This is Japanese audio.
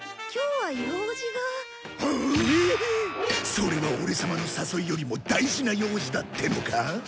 それはオレ様の誘いよりも大事な用事だってのかあ！？